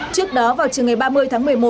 trước đó vào trường ngày ba mươi tháng một mươi một